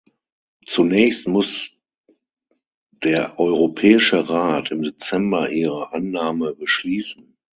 Zunächst muss der Europäische Rat im Dezember ihre Annahme beschließen.